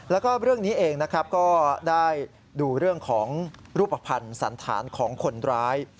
แล้วก็เรื่องนี้เองนะครับก็ได้ดูเรื่องของรูปภัณฑ์สันธารของคนร้าย